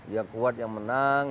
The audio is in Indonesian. yang kuat yang menang